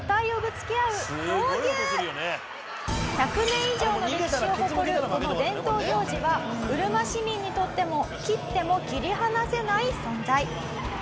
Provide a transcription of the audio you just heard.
１００年以上の歴史を誇るこの伝統行事はうるま市民にとっても切っても切り離せない存在。